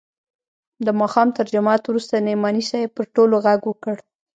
د ماښام تر جماعت وروسته نعماني صاحب پر ټولو ږغ وکړ.